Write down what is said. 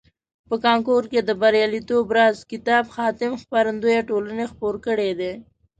په کانکور کې د بریالیتوب راز کتاب حاتم خپرندویه ټولني خپور کړیده.